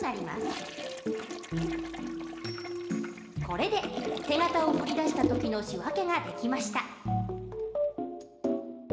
これで手形を振り出した時の仕訳ができました。